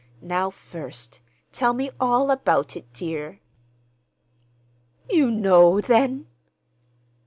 "Now, first, tell me all about it, dear." "You know, then?"